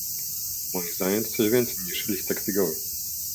Moim zdaniem to coś więcej niż listek figowy